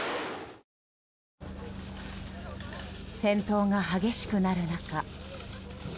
戦闘が激しくなる中。